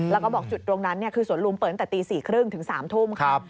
แล้วก็บอกจุดตรงนั้นคือสวนลุมเปิดตั้งแต่ตี๔๓๐ถึง๓ทุ่มครับ